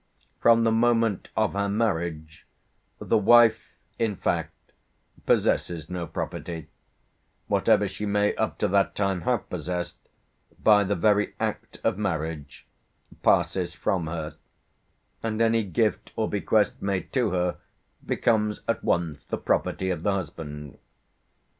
From the moment of her marriage the wife, in fact, possesses no property; whatever she may up to that time have possessed, by the very act of marriage passes from her, and any gift or bequest made to her becomes at once the property of the husband.